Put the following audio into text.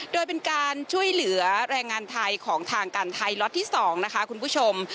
โดยเป็นการช่วยเหลือแรงงานไทยของทางการไทยล็อตที่๒นะคะคุณผู้ชม